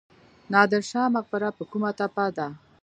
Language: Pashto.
نادر شاه مقبره په کومه تپه ده؟